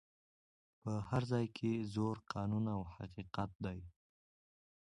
په هر ځای کي زور قانون او حقیقت دی